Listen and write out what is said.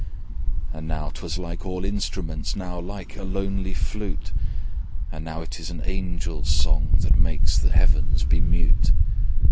And now 'twas like all instruments, Now like a lonely flute; And now it is an angel's song, That makes the heavens be mute.